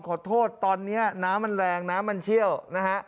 ขอโทษตอนนี้น้ำมันแรงน้ำมันเชี่ยวนะฮะ